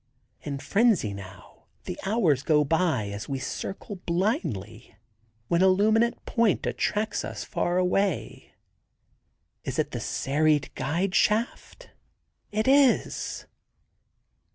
In frenzy, now, the hours go by as we circle blindly, when a luminant point attracts us far away. Is it the serried guide shaft? It is.